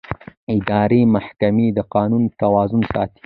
اداري محکمې د قانون توازن ساتي.